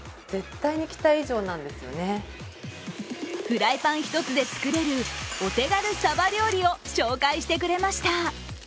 フライパン一つで作れるお手軽サバ料理を紹介してくれました。